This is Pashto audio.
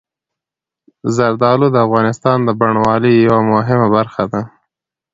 زردالو د افغانستان د بڼوالۍ یوه مهمه برخه ده.